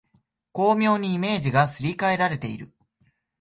巧妙にイメージがすり替えられている